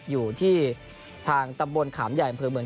อยู่ที่ทางตำบลขามใหญ่